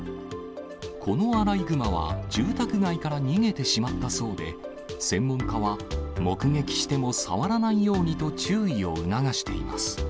このアライグマは住宅街から逃げてしまったそうで、専門家は、目撃しても触らないようにと注意を促しています。